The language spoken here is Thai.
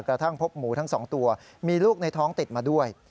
กระทั่งพบหมูทั้ง๒ตัวมีลูกในท้องติดมาด้วย